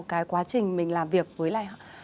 cái quá trình mình làm việc với lại họ